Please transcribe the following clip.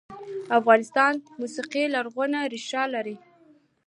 د افغانستان موسیقي لرغونې ریښې لري